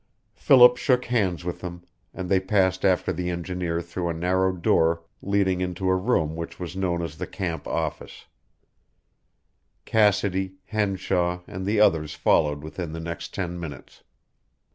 Philip shook hands with them, and they passed after the engineer through a narrow door leading into a room which was known as the camp office, Cassidy, Henshaw, and the others followed within the next ten minutes.